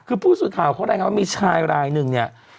คือผู้สื่อข่าวเขารายงานว่ามีชายรายหนึ่งเนี่ย